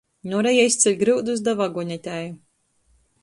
Noreja izceļ gryudus da vagonetei.